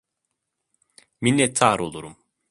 Minnettar olurum.